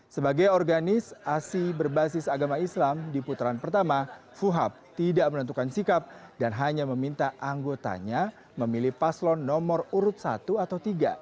sebagai organisasi berbasis agama islam di putaran pertama fuhab tidak menentukan sikap dan hanya meminta anggotanya memilih paslon nomor urut satu atau tiga